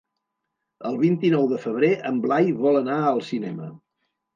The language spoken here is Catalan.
El vint-i-nou de febrer en Blai vol anar al cinema.